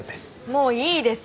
もういいです。